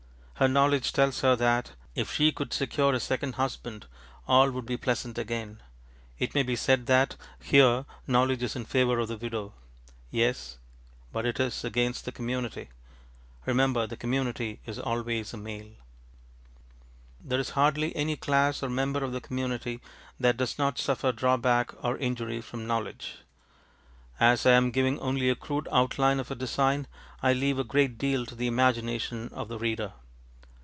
Her knowledge tells her that, if she could secure a second husband, all would be pleasant again. It may be said that here knowledge is in favour of the widow. Yes; but it is against the ŌĆ£Community.ŌĆØ Remember, the ŌĆ£CommunityŌĆØ is always a male. There is hardly any class or member of the community that does not suffer drawback or injury from knowledge. As I am giving only a crude outline of a design, I leave a great deal to the imagination of the reader.